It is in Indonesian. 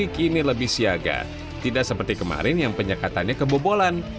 kini lebih siaga tidak seperti kemarin yang penyekatannya kebobolan